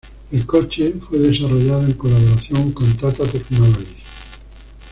El coche fue desarrollado en colaboración con Tata Technologies.